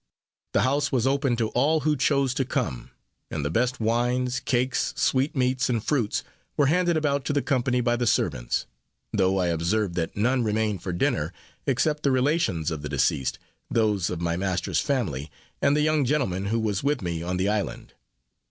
The house was open to all who chose to come; and the best wines, cakes, sweetmeats and fruits, were handed about to the company by the servants; though I observed that none remained for dinner, except the relations of the deceased, those of my master's family, and the young gentleman who was with me on the island.